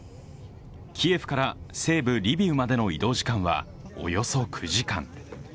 キエフから西部リビウまでの移動時間はおよそ９時間。